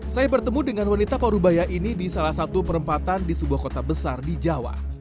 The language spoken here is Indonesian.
saya bertemu dengan wanita parubaya ini di salah satu perempatan di sebuah kota besar di jawa